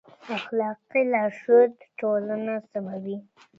اخلاقي لارښود ټولنه سموي.